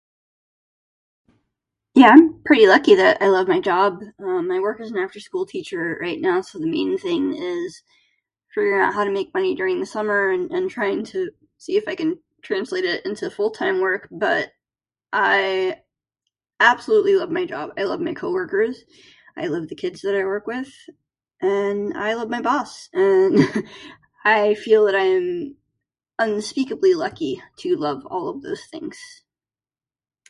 Yeah, I'm pretty lucky that I love my job. Um, I work as an after school teacher right now, so the main thing is figuring out how to make money during the summer and and trying to see if I can translate it into full time work. But I absolutely love my job. I love my co-workers, I love the kids that I work with, and I love my boss. And I feel that I'm unspeakably lucky to love all of those things.